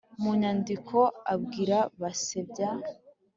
Munyankiko abwira Basebya